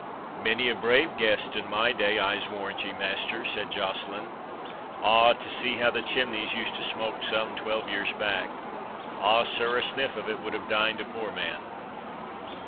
"Many a brave guest in my day, I'se warrant ye, master," said Joceline. "Ah, to see how the chimneys used to smoke some twelve years back! Ah, sir, a sniff of it would have dined a poor man."